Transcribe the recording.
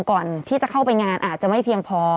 ก่อนที่จะเข้าไปงานอาจจะไม่เพียงพอ